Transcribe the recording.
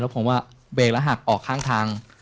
ผมว่าเบรกแล้วหักออกข้างทาง